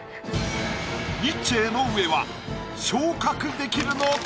ニッチェ江上は昇格できるのか？